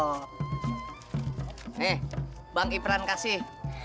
nih bang ipran kasih